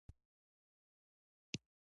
د اجتماعي همکاریو لپاره ترسره شوي.